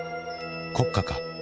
国家か？